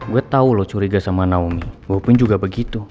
gue tau lo curiga sama naomi wapun juga begitu